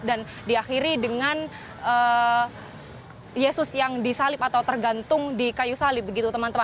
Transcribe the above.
dan diakhiri dengan yesus yang disalib atau tergantung di kayu salib begitu teman teman